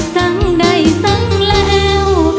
สั่งได้สั่งแล้ว